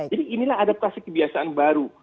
jadi inilah adaptasi kebiasaan baru